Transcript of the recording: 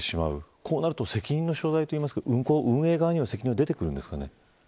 こうなると責任の所在とか運航側には責任は出てくるんでしょうか。